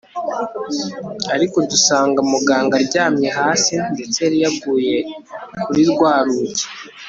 ariko dusanga muganga aryamye hasi ndetse yari yaguye kuri rwa rugi